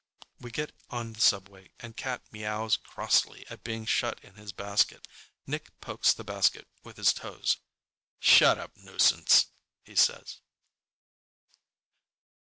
We get on the subway and Cat meows crossly at being shut in his basket. Nick pokes the basket with his toes. "Shut up, nuisance," he says.